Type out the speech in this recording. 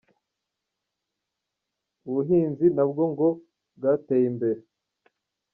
Ubuhinzi na bwo ngo bwateye imbere.